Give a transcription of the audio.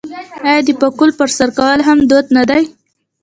آیا د پکول په سر کول هم دود نه دی؟